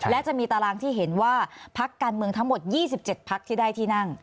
และจะมีตารางที่เห็นว่าพักการเมืองทั้งหมด๒๗พักที่ได้ที่นั่ง